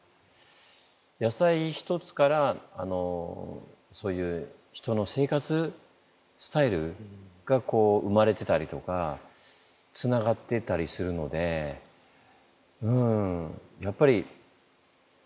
野菜一つからそういう人の生活スタイルがこう生まれてたりとかつながってたりするのでうんやっぱり野菜一つ